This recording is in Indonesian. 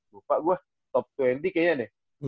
lupa gua top dua puluh kayaknya deh